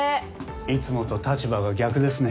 いつもと立場が逆ですね。